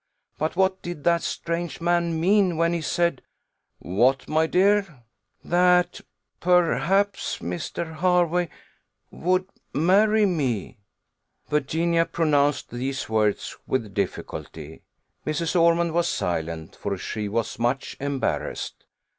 But what did that strange man mean, when he said " "What, my dear?" "That, perhaps, Mr. Hervey would marry me." Virginia pronounced these words with difficulty. Mrs. Ormond was silent, for she was much embarrassed.